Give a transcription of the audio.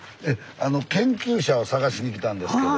あの研究者を探しに来たんですけど。